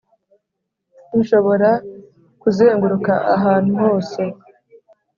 nshobora kuzenguruka ahantu hose